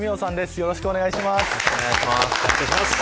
よろしくお願いします。